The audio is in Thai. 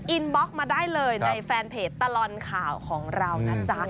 บล็อกมาได้เลยในแฟนเพจตลอดข่าวของเรานะจ๊ะ